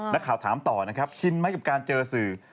นักข่าวถามต่อนะครับชินไหมกับการเจอสื่อ